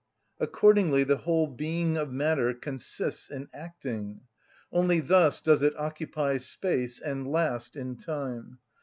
Accordingly the whole being of matter consists in acting. Only thus does it occupy space and last in time.